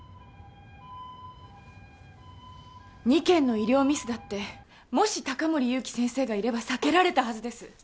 ２件の医療ミスだってもし高森勇気先生がいれば避けられたはずです。